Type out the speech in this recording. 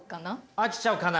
飽きちゃうかな。